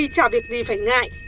chả việc gì phải ngại